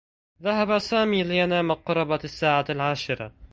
ذهب سامي لينام قرابة السّاعة العاشرة.